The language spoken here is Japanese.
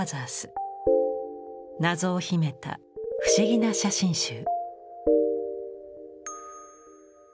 謎を秘めた不思議な写真集。